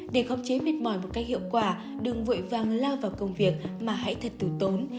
để khóc chế mệt mỏi một cách hiệu quả đường vội vàng lao vào công việc mà hãy thật từ tốn